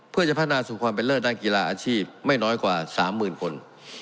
เพื่อจะพัฒนาสู่ความเป็นเลิศด้านกีฬาอาชีพไม่น้อยกว่า๓๐๐๐คน